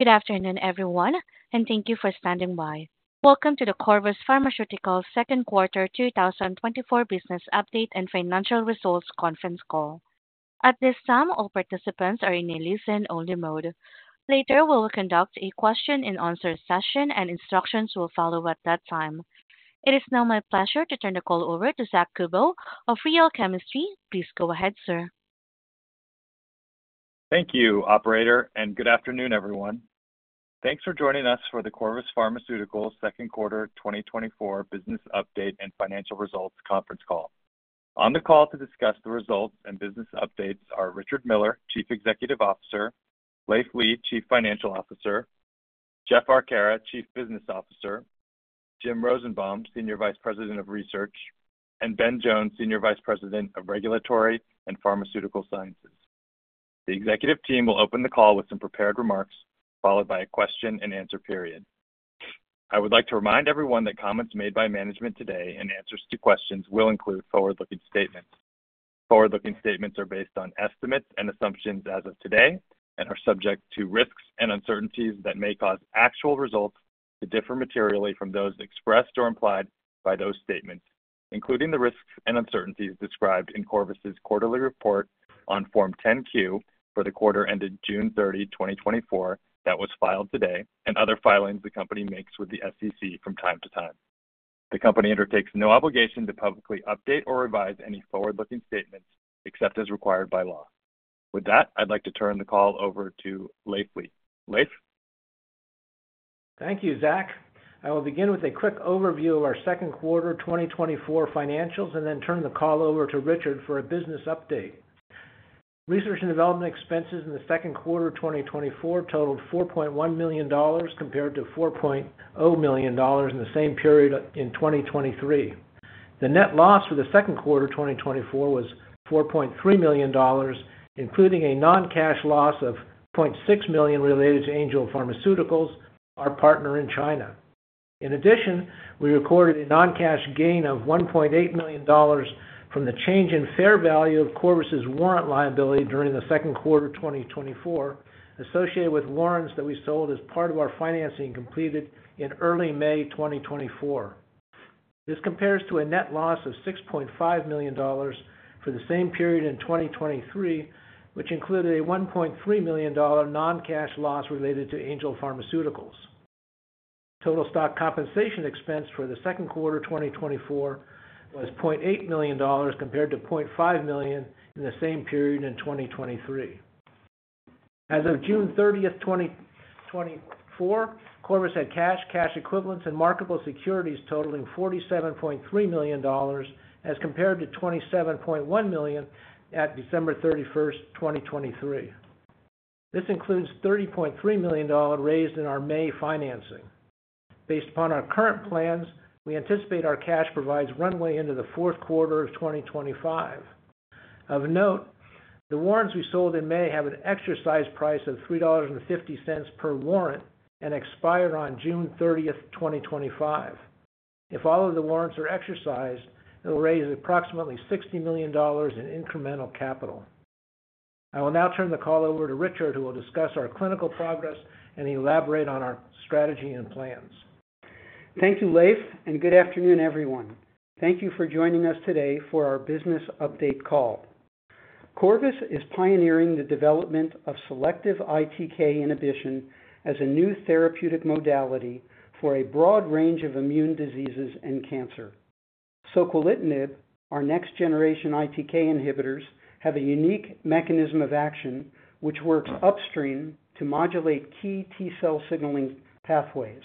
Good afternoon, everyone, and thank you for standing by. Welcome to the Corvus Pharmaceuticals Second Quarter 2024 Business Update and Financial Results Conference Call. At this time, all participants are in a listen-only mode. Later, we will conduct a question-and-answer session, and instructions will follow at that time. It is now my pleasure to turn the call over to Zack Kubo of Real Chemistry. Please go ahead, sir. Thank you, operator, and good afternoon, everyone. Thanks for joining us for the Corvus Pharmaceuticals second quarter 2024 business update and financial results conference call. On the call to discuss the results and business updates are Richard Miller, Chief Executive Officer, Leiv Lea, Chief Financial Officer, Jeff Arcara, Chief Business Officer, James Rosenbaum, Senior Vice President of Research, and Ben Jones, Senior Vice President of Regulatory and Pharmaceutical Sciences. The executive team will open the call with some prepared remarks, followed by a question-and-answer period. I would like to remind everyone that comments made by management today and answers to questions will include forward-looking statements. Forward-looking statements are based on estimates and assumptions as of today and are subject to risks and uncertainties that may cause actual results to differ materially from those expressed or implied by those statements, including the risks and uncertainties described in Corvus's quarterly report on Form 10-Q for the quarter ended June 30, 2024, that was filed today, and other filings the company makes with the SEC from time to time. The company undertakes no obligation to publicly update or revise any forward-looking statements except as required by law. With that, I'd like to turn the call over to Leiv Lea. Leiv? Thank you, Zach. I will begin with a quick overview of our second quarter 2024 financials and then turn the call over to Richard for a business update. Research and development expenses in the second quarter of 2024 totaled $4.1 million, compared to $4.0 million in the same period in 2023. The net loss for the second quarter of 2024 was $4.3 million, including a non-cash loss of $0.6 million related to Angel Pharmaceuticals, our partner in China. In addition, we recorded a non-cash gain of $1.8 million from the change in fair value of Corvus's warrant liability during the second quarter of 2024, associated with warrants that we sold as part of our financing completed in early May 2024. This compares to a net loss of $6.5 million for the same period in 2023, which included a $1.3 million non-cash loss related to Angel Pharmaceuticals. Total stock compensation expense for the second quarter 2024 was $0.8 million, compared to $0.5 million in the same period in 2023. As of June 30th, 2024, Corvus had cash, cash equivalents, and marketable securities totaling $47.3 million, as compared to $27.1 million at December 31st, 2023. This includes $30.3 million raised in our May financing. Based upon our current plans, we anticipate our cash provides runway into the fourth quarter of 2025. Of note, the warrants we sold in May have an exercise price of $3.50 per warrant and expire on June 30th, 2025. If all of the warrants are exercised, it will raise approximately $60 million in incremental capital. I will now turn the call over to Richard, who will discuss our clinical progress and elaborate on our strategy and plans. Thank you, Leiv, and good afternoon, everyone. Thank you for joining us today for our business update call. Corvus is pioneering the development of selective ITK inhibition as a new therapeutic modality for a broad range of immune diseases and cancer. soquelitinib, our next-generation ITK inhibitors, have a unique mechanism of action, which works upstream to modulate key T-cell signaling pathways.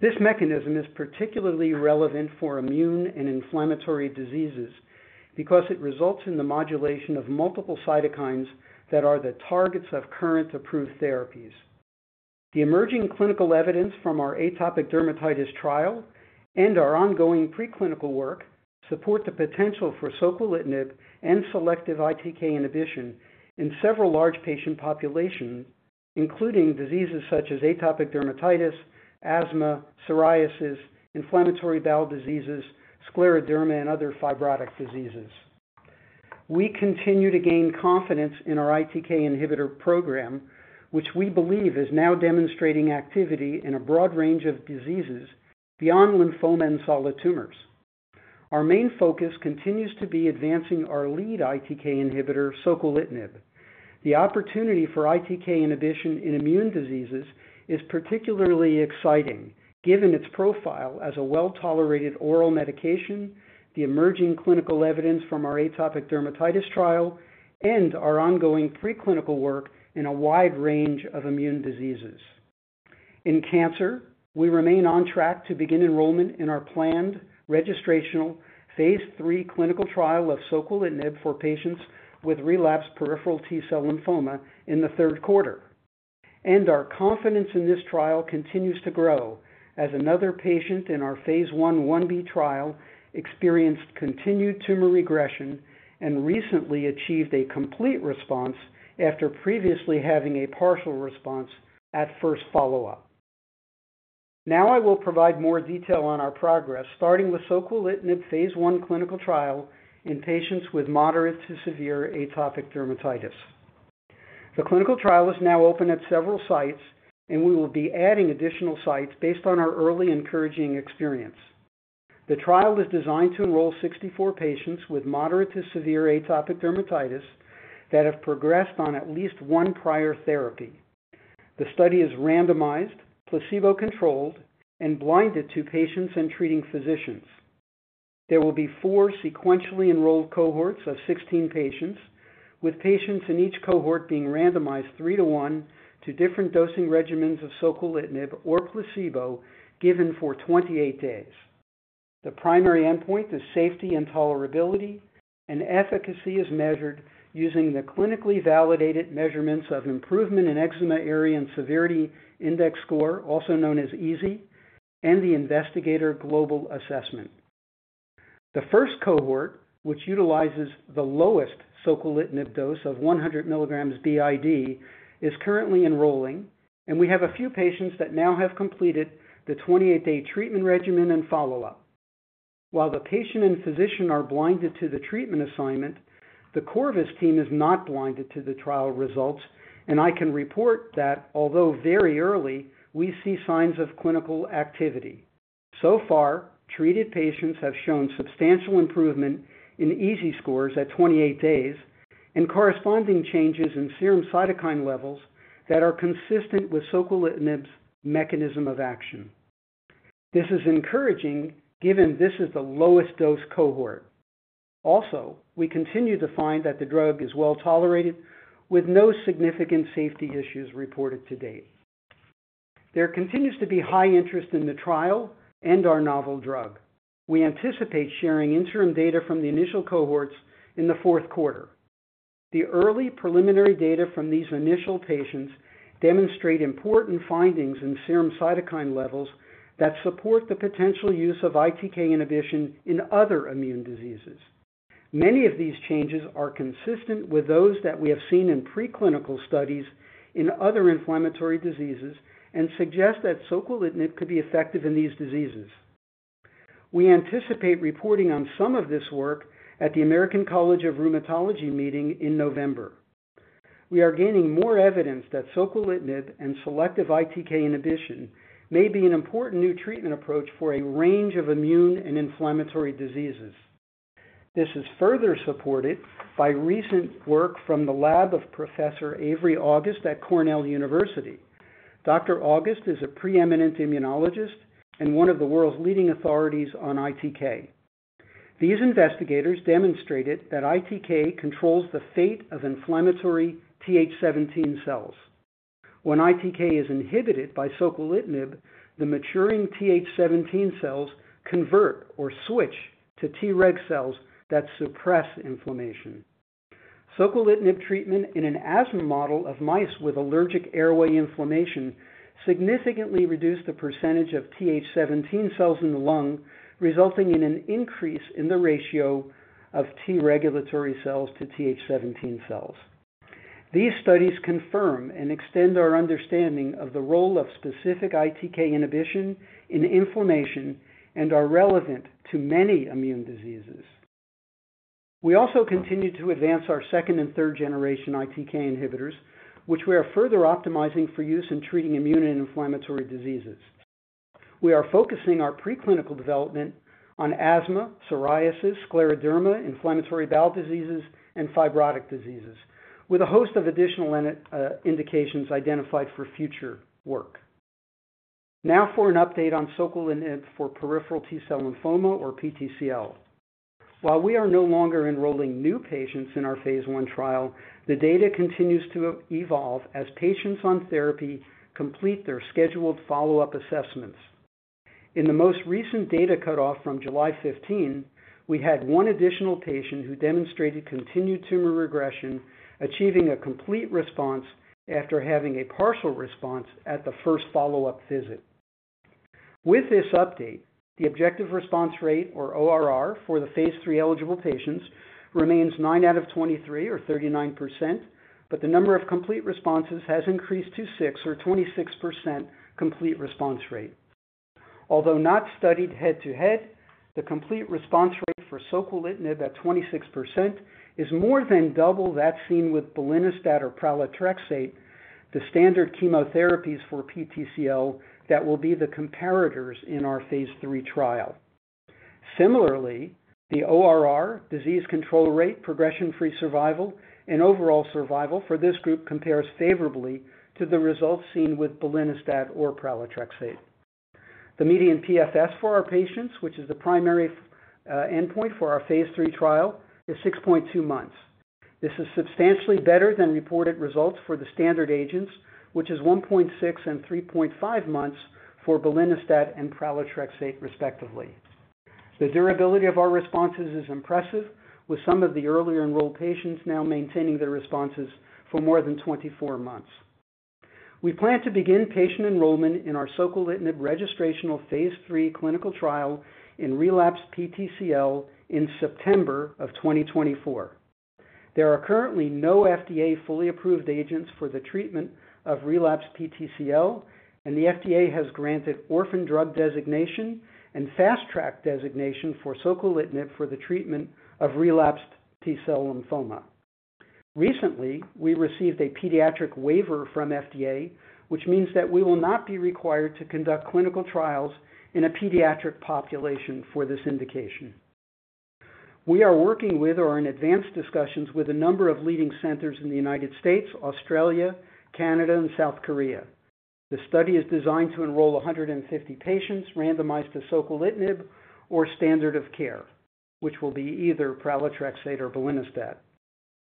This mechanism is particularly relevant for immune and inflammatory diseases because it results in the modulation of multiple cytokines that are the targets of current approved therapies. The emerging clinical evidence from our atopic dermatitis trial and our ongoing preclinical work support the potential for soquelitinib and selective ITK inhibition in several large patient populations, including diseases such as atopic dermatitis, asthma, psoriasis, inflammatory bowel diseases, scleroderma, and other fibrotic diseases. We continue to gain confidence in our ITK inhibitor program, which we believe is now demonstrating activity in a broad range of diseases beyond lymphoma and solid tumors. Our main focus continues to be advancing our lead ITK inhibitor, soquelitinib. The opportunity for ITK inhibition in immune diseases is particularly exciting, given its profile as a well-tolerated oral medication, the emerging clinical evidence from our atopic dermatitis trial, and our ongoing preclinical work in a wide range of immune diseases. In cancer, we remain on track to begin enrollment in our planned registrational phase 3 clinical trial of soquelitinib for patients with relapsed peripheral T-cell lymphoma in the third quarter. Our confidence in this trial continues to grow as another patient in our phase 1, 1B trial experienced continued tumor regression and recently achieved a complete response after previously having a partial response at first follow-up. Now I will provide more detail on our progress, starting with soquelitinib phase 1 clinical trial in patients with moderate to severe atopic dermatitis. The clinical trial is now open at several sites, and we will be adding additional sites based on our early encouraging experience. The trial is designed to enroll 64 patients with moderate to severe atopic dermatitis that have progressed on at least one prior therapy. The study is randomized, placebo-controlled, and blinded to patients and treating physicians. There will be four sequentially enrolled cohorts of 16 patients, with patients in each cohort being randomized 3-to-1 to different dosing regimens of soquelitinib or placebo, given for 28 days. The primary endpoint is safety and tolerability, and efficacy is measured using the clinically validated measurements of improvement in Eczema Area and Severity Index Score, also known as EASI, and the Investigator Global Assessment. The first cohort, which utilizes the lowest soquelitinib dose of 100 milligrams BID, is currently enrolling, and we have a few patients that now have completed the 28-day treatment regimen and follow-up. While the patient and physician are blinded to the treatment assignment, the Corvus team is not blinded to the trial results, and I can report that, although very early, we see signs of clinical activity. So far, treated patients have shown substantial improvement in EASI scores at 28 days and corresponding changes in serum cytokine levels that are consistent with soquelitinib's mechanism of action. This is encouraging, given this is the lowest dose cohort. Also, we continue to find that the drug is well-tolerated, with no significant safety issues reported to date. There continues to be high interest in the trial and our novel drug. We anticipate sharing interim data from the initial cohorts in the fourth quarter. The early preliminary data from these initial patients demonstrate important findings in serum cytokine levels that support the potential use of ITK inhibition in other immune diseases. Many of these changes are consistent with those that we have seen in preclinical studies in other inflammatory diseases and suggest that soquelitinib could be effective in these diseases. We anticipate reporting on some of this work at the American College of Rheumatology meeting in November. We are gaining more evidence that soquelitinib and selective ITK inhibition may be an important new treatment approach for a range of immune and inflammatory diseases. This is further supported by recent work from the lab of Professor Avery August at Cornell University. Dr. August is a preeminent immunologist and one of the world's leading authorities on ITK. These investigators demonstrated that ITK controls the fate of inflammatory Th17 cells. When ITK is inhibited by soquelitinib, the maturing Th17 cells convert or switch to Treg cells that suppress inflammation. soquelitinib treatment in an asthma model of mice with allergic airway inflammation significantly reduced the percentage of Th17 cells in the lung, resulting in an increase in the ratio of T-regulatory cells to Th17 cells. These studies confirm and extend our understanding of the role of specific ITK inhibition in inflammation and are relevant to many immune diseases. We also continue to advance our second and third generation ITK inhibitors, which we are further optimizing for use in treating immune and inflammatory diseases. We are focusing our preclinical development on asthma, psoriasis, scleroderma, inflammatory bowel diseases, and fibrotic diseases, with a host of additional indications identified for future work. Now for an update on soquelitinib for peripheral T-cell lymphoma or PTCL. While we are no longer enrolling new patients in our phase 1 trial, the data continues to evolve as patients on therapy complete their scheduled follow-up assessments. In the most recent data cutoff from July 15, we had 1 additional patient who demonstrated continued tumor regression, achieving a complete response after having a partial response at the first follow-up visit. With this update, the objective response rate, or ORR, for the phase 3 eligible patients remains 9 out of 23, or 39%, but the number of complete responses has increased to 6 or 26% complete response rate. Although not studied head-to-head, the complete response rate for soquelitinib at 26% is more than double that seen with belinostat or pralatrexate, the standard chemotherapies for PTCL that will be the comparators in our phase 3 trial. Similarly, the ORR, disease control rate, progression-free survival, and overall survival for this group compares favorably to the results seen with belinostat or pralatrexate. The median PFS for our patients, which is the primary, endpoint for our phase 3 trial, is 6.2 months. This is substantially better than reported results for the standard agents, which is 1.6 and 3.5 months for belinostat and pralatrexate, respectively. The durability of our responses is impressive, with some of the earlier enrolled patients now maintaining their responses for more than 24 months. We plan to begin patient enrollment in our soquelitinib registrational phase 3 clinical trial in relapsed PTCL in September 2024. There are currently no FDA fully approved agents for the treatment of relapsed PTCL, and the FDA has granted orphan drug designation and fast track designation for soquelitinib for the treatment of relapsed T-cell lymphoma. Recently, we received a pediatric waiver from FDA, which means that we will not be required to conduct clinical trials in a pediatric population for this indication. We are working with, or in advanced discussions with, a number of leading centers in the United States, Australia, Canada, and South Korea. The study is designed to enroll 150 patients randomized to soquelitinib or standard of care, which will be either pralatrexate or belinostat.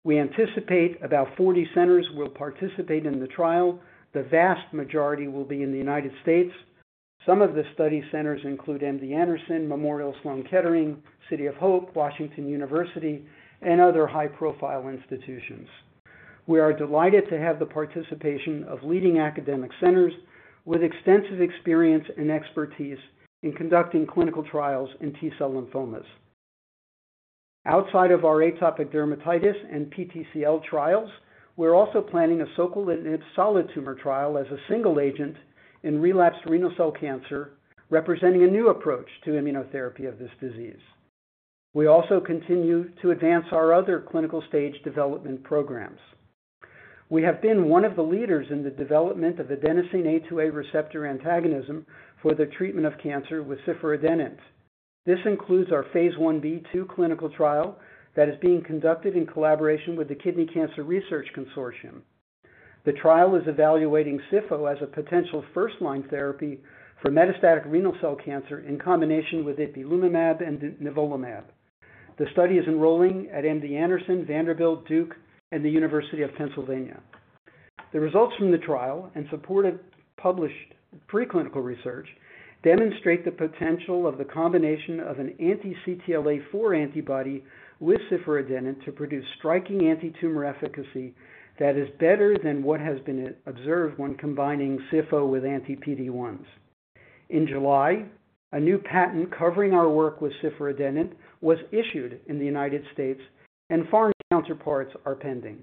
We anticipate about 40 centers will participate in the trial. The vast majority will be in the United States. Some of the study centers include MD Anderson, Memorial Sloan Kettering, City of Hope, Washington University, and other high-profile institutions. We are delighted to have the participation of leading academic centers with extensive experience and expertise in conducting clinical trials in T-cell lymphomas. Outside of our atopic dermatitis and PTCL trials, we're also planning a soquelitinib solid tumor trial as a single agent in relapsed renal cell cancer, representing a new approach to immunotherapy of this disease. We also continue to advance our other clinical stage development programs. We have been one of the leaders in the development of adenosine A2A receptor antagonism for the treatment of cancer with ciforadenant. This includes our phase 1B/2 clinical trial that is being conducted in collaboration with the Kidney Cancer Research Consortium. The trial is evaluating ciforadenant as a potential first-line therapy for metastatic renal cell cancer in combination with ipilimumab and nivolumab. The study is enrolling at MD Anderson, Vanderbilt, Duke, and the University of Pennsylvania. The results from the trial, and supported published preclinical research, demonstrate the potential of the combination of an anti-CTLA-4 antibody with ciforadenant to produce striking antitumor efficacy that is better than what has been observed when combining ciforadenant with anti-PD1s. In July, a new patent covering our work with ciforadenant was issued in the United States, and foreign counterparts are pending.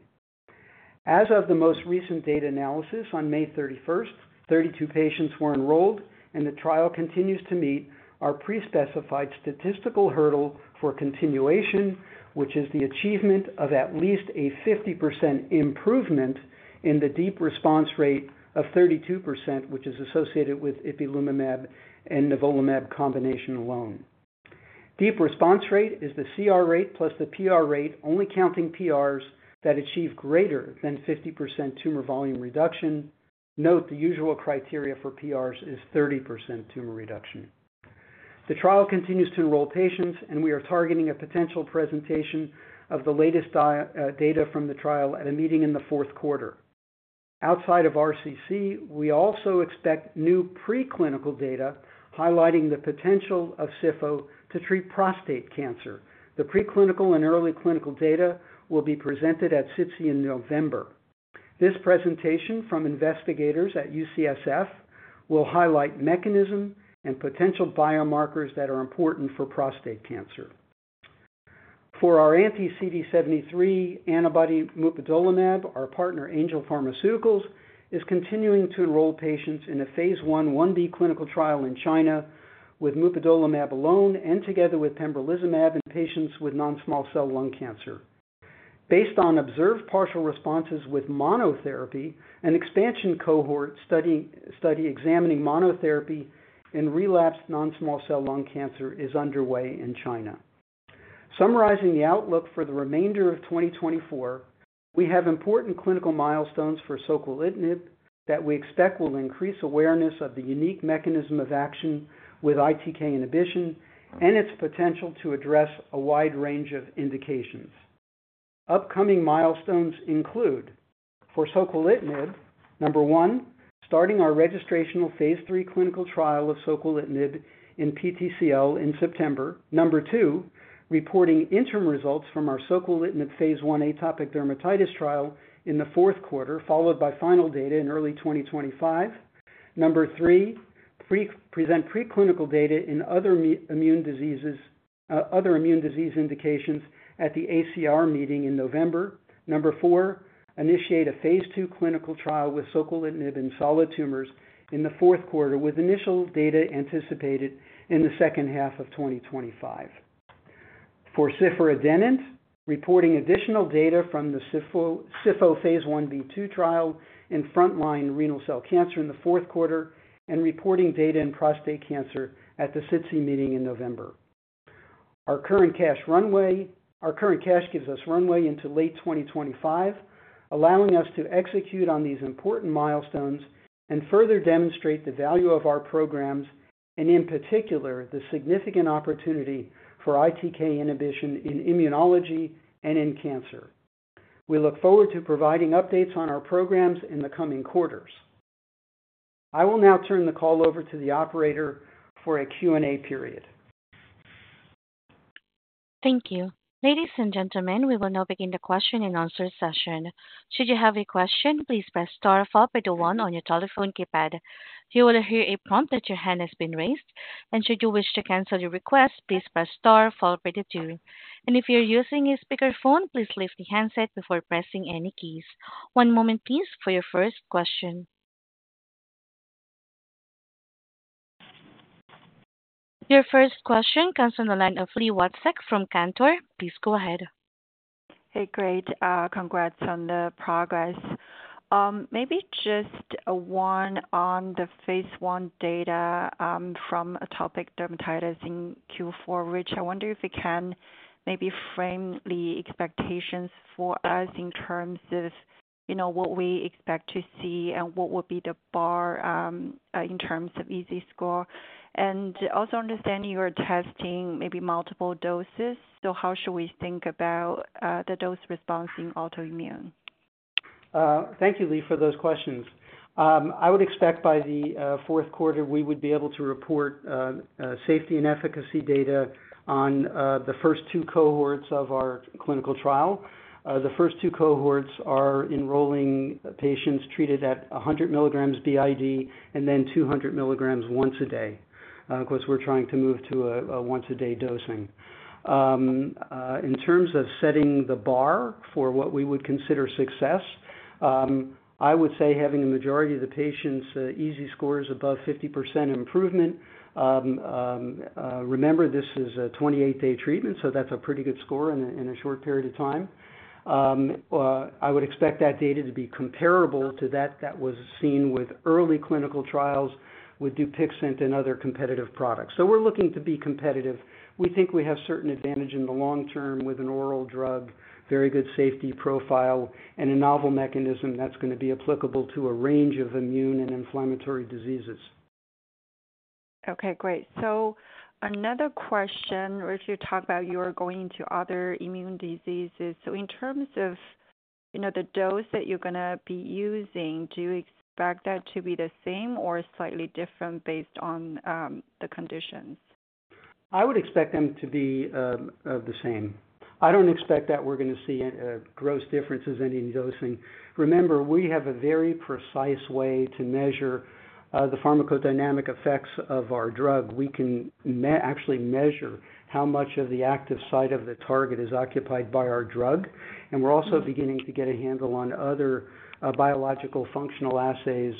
As of the most recent data analysis on May thirty-first, 32 patients were enrolled, and the trial continues to meet our pre-specified statistical hurdle for continuation, which is the achievement of at least a 50% improvement in the deep response rate of 32%, which is associated with ipilimumab and nivolumab combination alone. Deep response rate is the CR rate plus the PR rate, only counting PRs that achieve greater than 50% tumor volume reduction. Note, the usual criteria for PRs is 30% tumor reduction. The trial continues to enroll patients, and we are targeting a potential presentation of the latest data from the trial at a meeting in the fourth quarter. Outside of RCC, we also expect new preclinical data highlighting the potential of soquelitinib to treat prostate cancer. The preclinical and early clinical data will be presented at SITC in November. This presentation from investigators at UCSF will highlight mechanism and potential biomarkers that are important for prostate cancer. For our anti-CD73 antibody mupadolimab, our partner, Angel Pharmaceuticals, is continuing to enroll patients in a Phase 1/1B clinical trial in China with mupadolimab alone and together with pembrolizumab in patients with non-small cell lung cancer. Based on observed partial responses with monotherapy, an expansion cohort study examining monotherapy in relapsed non-small cell lung cancer is underway in China. Summarizing the outlook for the remainder of 2024, we have important clinical milestones for soquelitinib that we expect will increase awareness of the unique mechanism of action with ITK inhibition and its potential to address a wide range of indications. Upcoming milestones include: for soquelitinib, 1, starting our registrational Phase 3 clinical trial of soquelitinib in PTCL in September. 2, reporting interim results from our soquelitinib Phase 1 atopic dermatitis trial in the fourth quarter, followed by final data in early 2025. 3, present preclinical data in other immune diseases, other immune disease indications at the ACR meeting in November. Number four, initiate a phase 2 clinical trial with soquelitinib in solid tumors in the fourth quarter, with initial data anticipated in the second half of 2025. For ciforadenant, reporting additional data from the Cifo, Cifo phase IB/II trial in front-line renal cell cancer in the fourth quarter, and reporting data in prostate cancer at the SITC meeting in November. Our current cash gives us runway into late 2025, allowing us to execute on these important milestones and further demonstrate the value of our programs, and in particular, the significant opportunity for ITK inhibition in immunology and in cancer. We look forward to providing updates on our programs in the coming quarters. I will now turn the call over to the operator for a Q&A period. Thank you. Ladies and gentlemen, we will now begin the question and answer session. Should you have a question, please press star followed by the one on your telephone keypad. You will hear a prompt that your hand has been raised, and should you wish to cancel your request, please press star followed by the two. And if you're using a speakerphone, please lift the handset before pressing any keys. One moment, please, for your first question. Your first question comes from the line of Li Watsek from Cantor. Please go ahead. Hey, great. Congrats on the progress. Maybe just one on the phase 1 data from atopic dermatitis in Q4, which I wonder if you can maybe frame the expectations for us in terms of, you know, what we expect to see and what would be the bar in terms of EASI score. And also understanding you are testing maybe multiple doses, so how should we think about the dose response in autoimmune? Thank you, Lee, for those questions. I would expect by the fourth quarter, we would be able to report safety and efficacy data on the first two cohorts of our clinical trial. The first two cohorts are enrolling patients treated at 100 milligrams BID, and then 200 milligrams once a day. Of course, we're trying to move to a once a day dosing. In terms of setting the bar for what we would consider success, I would say having the majority of the patients EASI scores above 50% improvement. Remember, this is a 28-day treatment, so that's a pretty good score in a short period of time. I would expect that data to be comparable to that that was seen with early clinical trials with Dupixent and other competitive products. So we're looking to be competitive. We think we have certain advantage in the long term with an oral drug, very good safety profile, and a novel mechanism that's gonna be applicable to a range of immune and inflammatory diseases. Okay, great. So another question, or if you talk about you are going to other immune diseases. So in terms of, you know, the dose that you're gonna be using, do you expect that to be the same or slightly different based on the conditions? I would expect them to be the same. I don't expect that we're gonna see gross differences in any dosing. Remember, we have a very precise way to measure the pharmacodynamic effects of our drug. We can actually measure how much of the active site of the target is occupied by our drug, and we're also beginning to get a handle on other biological functional assays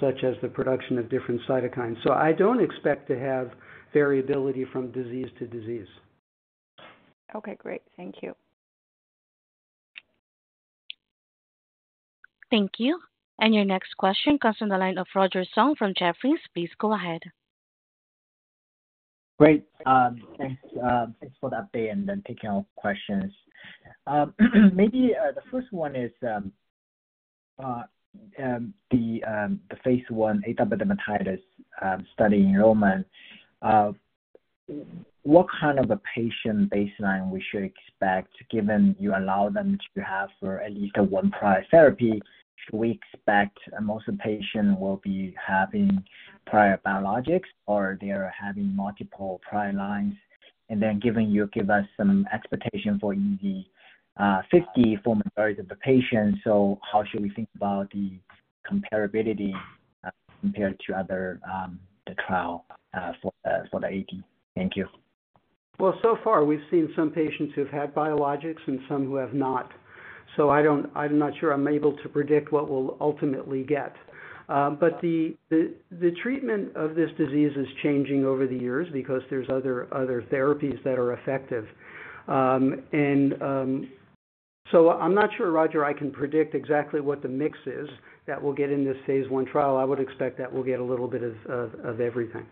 such as the production of different cytokines. So I don't expect to have variability from disease to disease. Okay, great. Thank you. Thank you. And your next question comes from the line of Roger Song from Jefferies. Please go ahead. Great. Thanks, thanks for the update and then taking all the questions. Maybe the first one is, the phase 1 atopic dermatitis study enrollment. What kind of a patient baseline we should expect, given you allow them to have for at least one prior therapy? Should we expect most of the patient will be having prior biologics, or they are having multiple prior lines? And then given you give us some expectation for EASI 50 for majority of the patients, so how should we think about the comparability, compared to other, the trial, for the AD? Thank you. Well, so far we've seen some patients who've had biologics and some who have not. So I don't... I'm not sure I'm able to predict what we'll ultimately get. But the treatment of this disease is changing over the years because there's other therapies that are effective. So I'm not sure, Roger, I can predict exactly what the mix is that we'll get in this phase one trial. I would expect that we'll get a little bit of everything.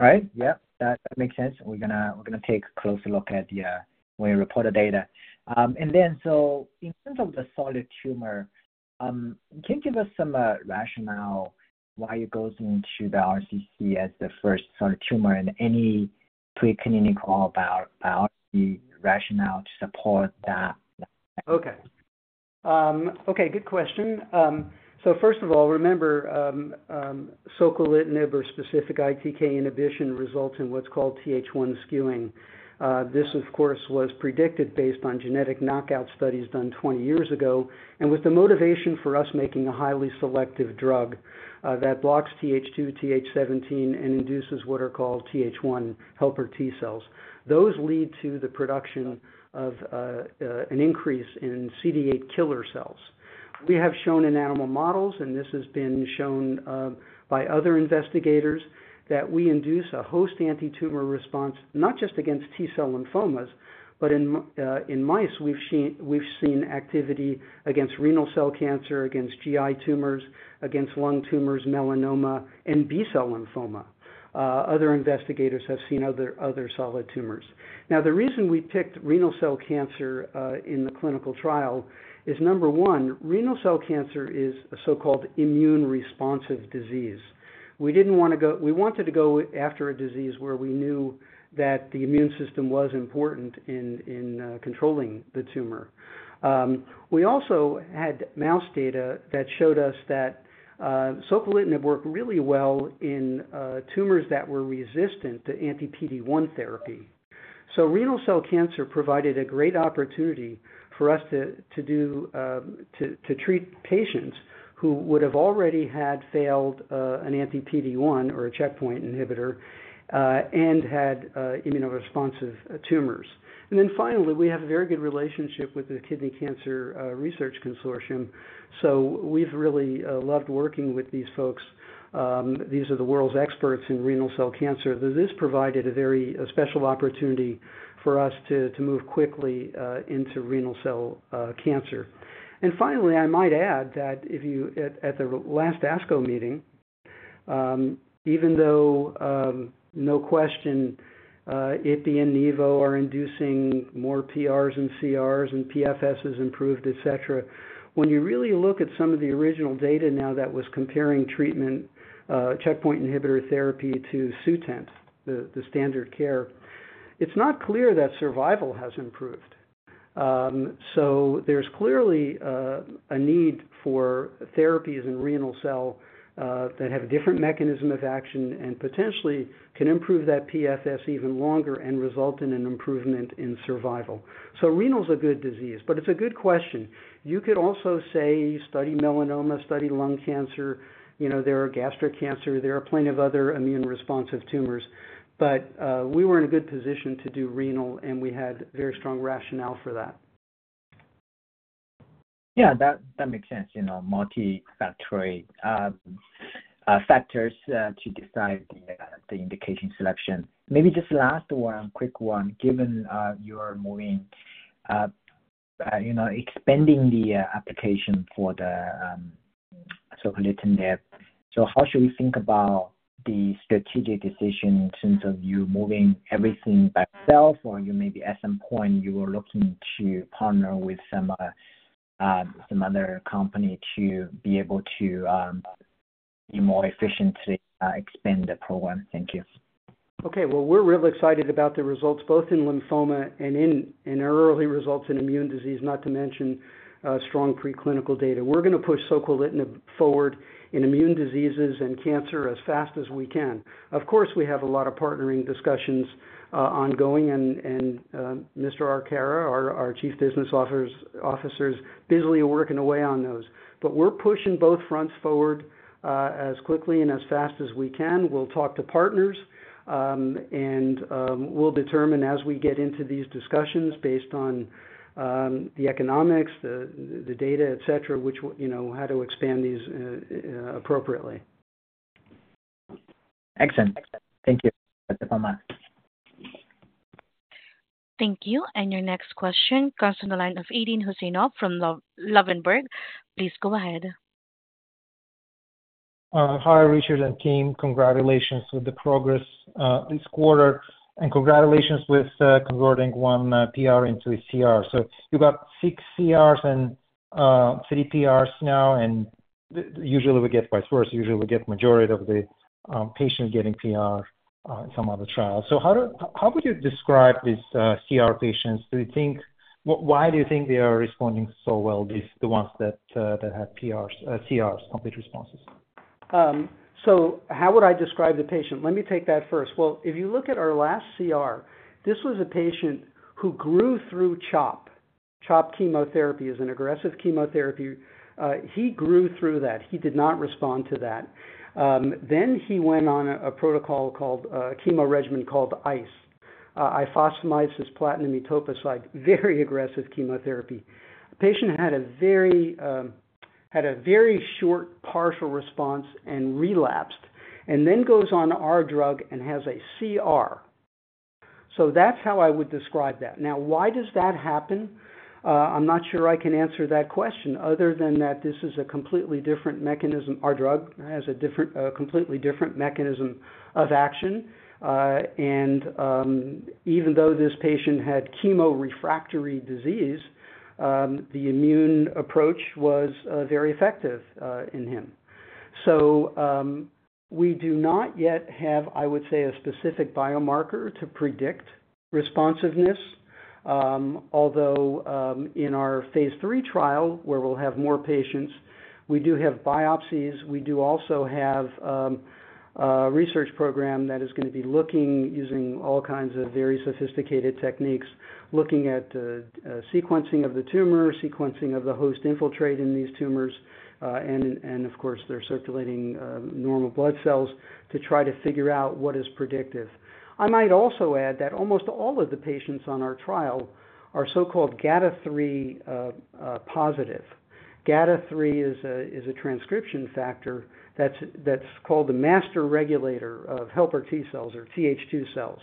Right. Yeah, that makes sense. We're gonna take a closer look at the when you report the data. In terms of the solid tumor, can you give us some rationale why it goes into the RCC as the first solid tumor and any preclinical about the rationale to support that? Okay. Okay, good question. So first of all, remember, soquelitinib or specific ITK inhibition results in what's called Th1 skewing. This, of course, was predicted based on genetic knockout studies done 20 years ago, and was the motivation for us making a highly selective drug, that blocks Th2, Th17, and induces what are called Th1 helper T cells. Those lead to the production of, an increase in CD8 killer cells. We have shown in animal models, and this has been shown, by other investigators, that we induce a host anti-tumor response, not just against T-cell lymphomas, but in mice, we've seen, we've seen activity against renal cell cancer, against GI tumors, against lung tumors, melanoma, and B-cell lymphoma. Other investigators have seen other solid tumors. Now, the reason we picked renal cell cancer in the clinical trial is, number 1, renal cell cancer is a so-called immunoresponsive disease. We didn't wanna we wanted to go after a disease where we knew that the immune system was important in controlling the tumor. We also had mouse data that showed us that soquelitinib worked really well in tumors that were resistant to anti-PD-1 therapy. So renal cell cancer provided a great opportunity for us to treat patients who would have already had failed an anti-PD-1 or a checkpoint inhibitor and had immunoresponsive tumors. And then finally, we have a very good relationship with the Kidney Cancer Research Consortium, so we've really loved working with these folks. These are the world's experts in renal cell cancer. This provided a very special opportunity for us to move quickly into renal cell cancer. And finally, I might add that if you at the last ASCO meeting, even though no question ipi and nivo are inducing more PRs and CRs and PFS has improved, et cetera, when you really look at some of the original data now that was comparing treatment checkpoint inhibitor therapy to Sutent, the standard care, it's not clear that survival has improved. So there's clearly a need for therapies in renal cell that have a different mechanism of action and potentially can improve that PFS even longer and result in an improvement in survival. So renal's a good disease, but it's a good question. You could also say, study melanoma, study lung cancer, you know, there are gastric cancer, there are plenty of other immune-responsive tumors. But we were in a good position to do renal, and we had very strong rationale for that. Yeah, that makes sense, you know, multifactorial factors to decide the indication selection. Maybe just last one, quick one. Given you are moving, you know, expanding the application for the soquelitinib, so how should we think about the strategic decision in terms of you moving everything by yourself, or you maybe at some point you are looking to partner with some other company to be able to more efficiently expand the program? Thank you. Okay. Well, we're real excited about the results, both in lymphoma and in our early results in immune disease, not to mention strong preclinical data. We're gonna push soquelitinib forward in immune diseases and cancer as fast as we can. Of course, we have a lot of partnering discussions ongoing, and Mr. Arcara, our Chief Business Officer, busily working away on those. But we're pushing both fronts forward as quickly and as fast as we can. We'll talk to partners, and we'll determine as we get into these discussions based on the economics, the data, et cetera, which you know, how to expand these appropriately. Excellent. Thank you. Dr. Palmer. Thank you, and your next question comes from the line of Aydin Huseynov from Ladenburg Thalmann. Please go ahead. Hi, Richard and team. Congratulations with the progress this quarter, and congratulations with converting one PR into a CR. So you got six CRs and three PRs now, and usually we get vice versa. Usually, we get majority of the patients getting PR in some other trials. So how would you describe these CR patients? Why do you think they are responding so well, these, the ones that have PRs, CRs, complete responses? So how would I describe the patient? Let me take that first. Well, if you look at our last CR, this was a patient who grew through CHOP. CHOP chemotherapy is an aggressive chemotherapy. He grew through that. He did not respond to that. Then he went on a protocol called chemo regimen called ICE. Ifosfamide, cisplatin, etoposide, very aggressive chemotherapy. The patient had a very short partial response and relapsed, and then goes on our drug and has a CR. So that's how I would describe that. Now, why does that happen? I'm not sure I can answer that question, other than that this is a completely different mechanism. Our drug has a different, completely different mechanism of action. Even though this patient had chemo-refractory disease, the immune approach was very effective in him. So, we do not yet have, I would say, a specific biomarker to predict responsiveness. Although in our phase III trial, where we'll have more patients, we do have biopsies. We do also have a research program that is gonna be looking, using all kinds of very sophisticated techniques, looking at sequencing of the tumor, sequencing of the host infiltrate in these tumors, and of course, they're circulating normal blood cells to try to figure out what is predictive. I might also add that almost all of the patients on our trial are so-called GATA3 positive. GATA3 is a transcription factor that's called the master regulator of helper T cells or TH2 cells.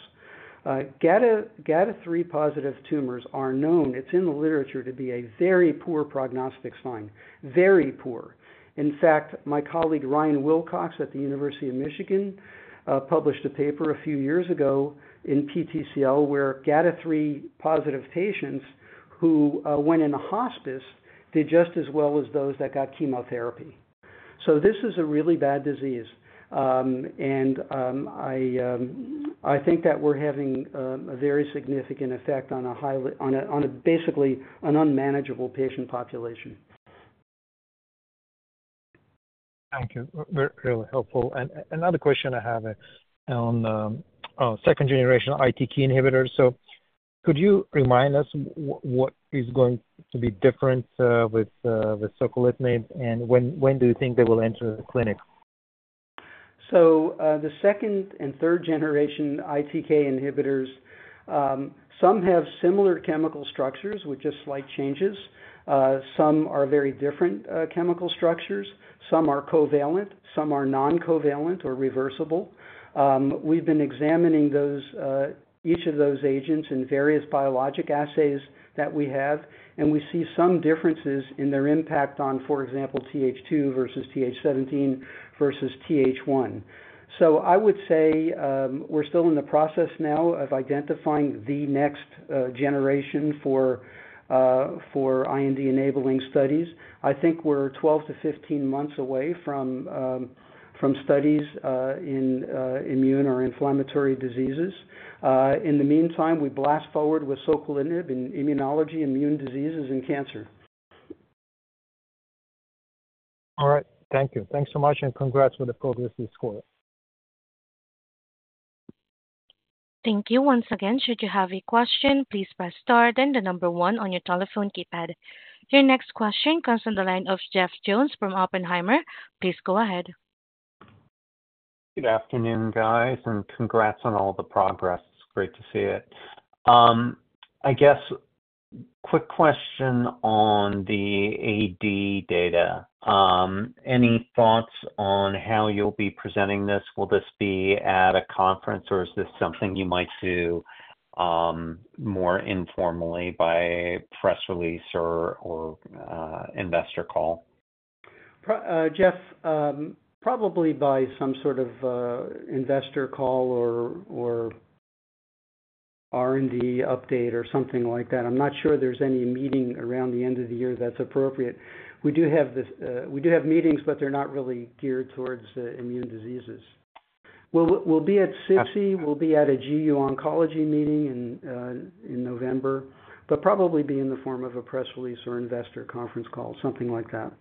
GATA3-positive tumors are known, it's in the literature, to be a very poor prognostic sign, very poor. In fact, my colleague, Ryan Wilcox, at the University of Michigan, published a paper a few years ago in PTCL, where GATA3-positive patients who went into hospice did just as well as those that got chemotherapy. So this is a really bad disease. I think that we're having a very significant effect on a highly... basically, an unmanageable patient population. Thank you. Very helpful. And another question I have is on, on second generation ITK inhibitors. So could you remind us what is going to be different, with, with soquelitinib, and when, when do you think they will enter the clinic? So, the second and third generation ITK inhibitors, some have similar chemical structures with just slight changes. Some are very different, chemical structures. Some are covalent, some are non-covalent or reversible. We've been examining those, each of those agents in various biologic assays that we have, and we see some differences in their impact on, for example, TH2 versus TH17 versus TH1. So I would say, we're still in the process now of identifying the next, generation for, for IND-enabling studies. I think we're 12-15 months away from, from studies, in, immune or inflammatory diseases. In the meantime, we blast forward with soquelitinib in immunology, immune diseases, and cancer. All right. Thank you. Thanks so much, and congrats on the progress this quarter. Thank you. Once again, should you have a question, please press star, then the number one on your telephone keypad. Your next question comes from the line of Jeff Jones from Oppenheimer. Please go ahead. Good afternoon, guys, and congrats on all the progress. It's great to see it. I guess, quick question on the AD data. Any thoughts on how you'll be presenting this? Will this be at a conference, or is this something you might do, more informally by press release or, or, investor call? Jeff, probably by some sort of investor call or R&D update or something like that. I'm not sure there's any meeting around the end of the year that's appropriate. We do have this, we do have meetings, but they're not really geared towards immune diseases. We'll be at SITC. We'll be at a GU oncology meeting in November. But probably be in the form of a press release or investor conference call, something like that.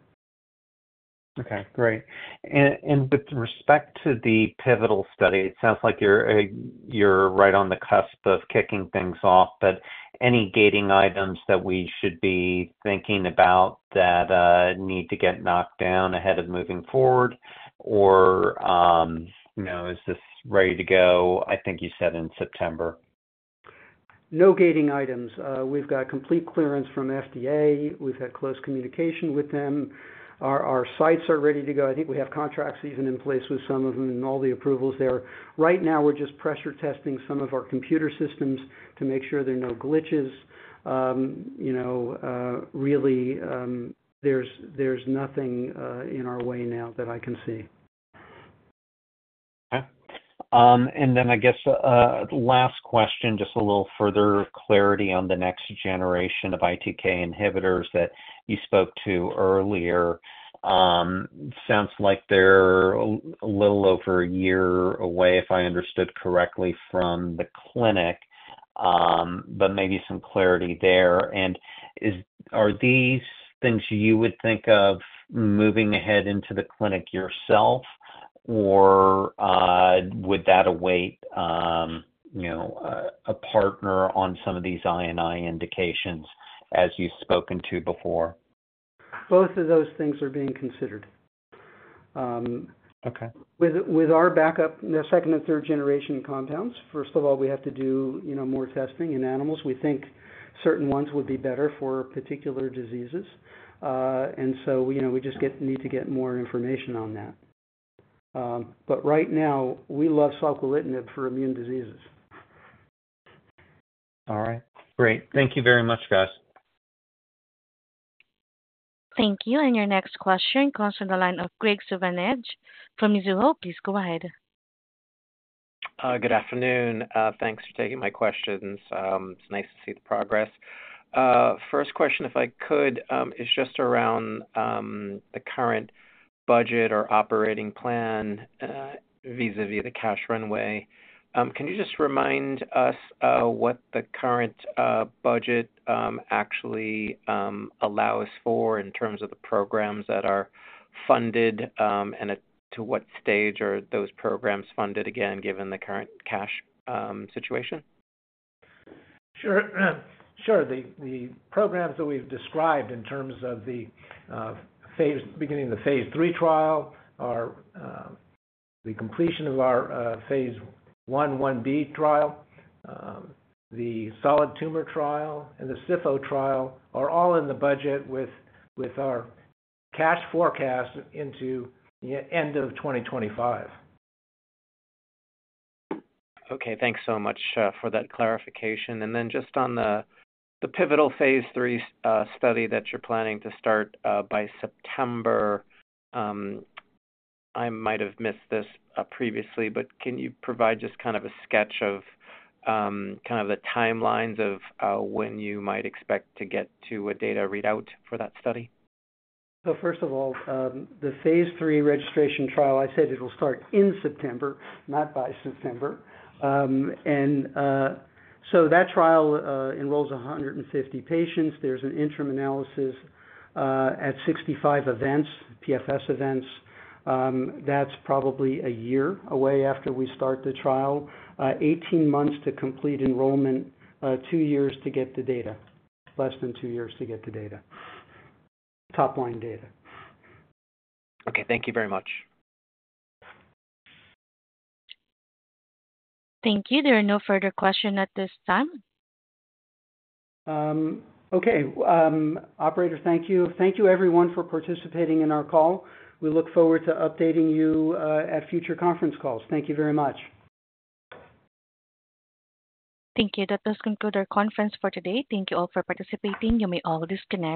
Okay, great. And, and with respect to the pivotal study, it sounds like you're, you're right on the cusp of kicking things off, but any gating items that we should be thinking about that, need to get knocked down ahead of moving forward? Or, you know, is this ready to go, I think you said in September? No gating items. We've got complete clearance from FDA. We've had close communication with them. Our sites are ready to go. I think we have contracts in place with some of them and all the approvals there. Right now, we're just pressure testing some of our computer systems to make sure there are no glitches. You know, really, there's nothing in our way now that I can see. Okay. And then I guess, last question, just a little further clarity on the next generation of ITK inhibitors that you spoke to earlier. Sounds like they're a little over a year away, if I understood correctly, from the clinic, but maybe some clarity there. And is... Are these things you would think of moving ahead into the clinic yourself, or, would that await, you know, a partner on some of these ITK indications, as you've spoken to before? Both of those things are being considered. Okay. With our backup, the second and third generation compounds, first of all, we have to do, you know, more testing in animals. We think certain ones would be better for particular diseases. And so, you know, we just need to get more information on that. But right now, we love soquelitinib for immune diseases. All right, great. Thank you very much, guys. Thank you. Your next question comes from the line of Graig Suvannavejh from Mizuho. Please go ahead. Good afternoon. Thanks for taking my questions. It's nice to see the progress. First question, if I could, is just around the current budget or operating plan, vis-à-vis the cash runway. Can you just remind us what the current budget actually allows for in terms of the programs that are funded, and to what stage are those programs funded again, given the current cash situation? Sure. Sure. The programs that we've described in terms of the phase beginning the phase III trial are the completion of our phase I/IB trial, the solid tumor trial and the SIFO trial are all in the budget with our cash forecast into the end of 2025. Okay. Thanks so much for that clarification. And then just on the pivotal Phase III study that you're planning to start by September, I might have missed this previously, but can you provide just kind of a sketch of kind of the timelines of when you might expect to get to a data readout for that study? So, first of all, the phase III registration trial, I said it will start in September, not by September. So that trial enrolls 150 patients. There's an interim analysis at 65 events, PFS events. That's probably a year away after we start the trial. 18 months to complete enrollment, 2 years to get the data, less than 2 years to get the data, top-line data. Okay, thank you very much. Thank you. There are no further questions at this time. Okay. Operator, thank you. Thank you everyone for participating in our call. We look forward to updating you at future conference calls. Thank you very much. Thank you. That does conclude our conference for today. Thank you all for participating. You may all disconnect.